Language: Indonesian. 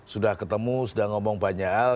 sudah ketemu sudah ngomong banyak hal